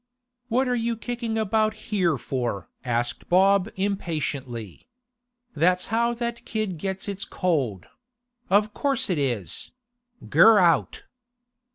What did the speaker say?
'What are you kicking about here for?' asked Bob impatiently. 'That's how that kid gets its cold—of course it is!—Ger out!